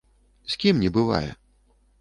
З кім не бывае?